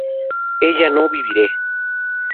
ella no viviere